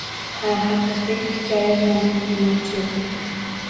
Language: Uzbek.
Ha, haqiqiy hikoya ta’mini tuymoqchi edi.